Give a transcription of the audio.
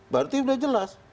berarti udah jelas